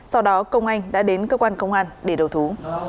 sau đó công anh đã đến cơ quan công an để đầu thú